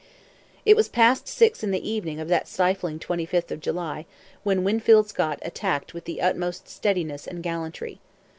It was past six in the evening of that stifling 25th of July when Winfield Scott attacked with the utmost steadiness and gallantry.